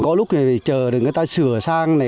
có lúc chờ người ta sửa sang này